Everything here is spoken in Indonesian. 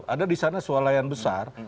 ada di sana sualayan besar